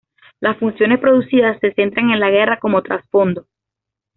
Las funciones producidas se centran en la guerra como trasfondo.